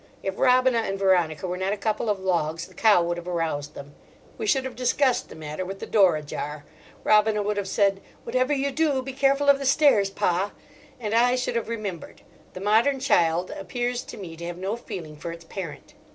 If Robina and Veronica were not a couple of logs, the cow would have aroused them. We should have discussed the matter with the door ajar. Robina would have said, "Whatever you do, be careful of the stairs, Pa," and I should have remembered. The modern child appears to me to have no feeling for its parent.